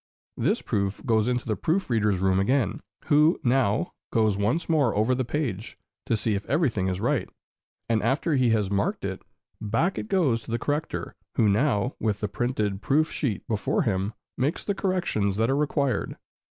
This proof goes into the proof reader's room again, who now goes once more over the page, to see if everything is right; and after he has marked it, back it goes to the corrector, who now, with the printed proof sheet before him, makes the corrections that are required.